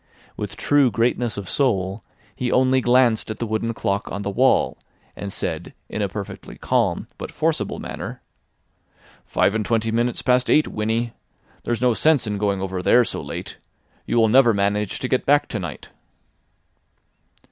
With true greatness of soul, he only glanced at the wooden clock on the wall, and said in a perfectly calm but forcible manner: "Five and twenty minutes past eight, Winnie. There's no sense in going over there so late. You will never manage to get back to night."